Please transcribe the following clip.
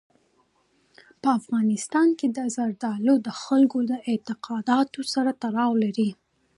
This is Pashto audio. په افغانستان کې زردالو د خلکو له اعتقاداتو سره تړاو لري.